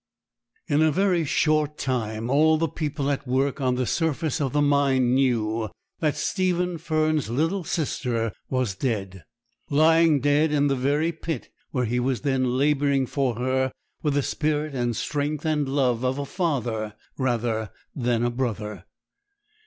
In a very short time all the people at work on the surface of the mine knew that Stephen Fern's little sister was dead lying dead in the very pit where he was then labouring for her, with the spirit and strength and love of a father rather than a brother.